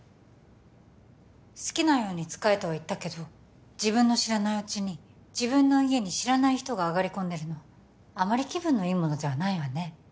好きなように使えとは言ったけど自分の知らないうちに自分の家に知らない人が上がり込んでるのあまり気分のいいものではないわね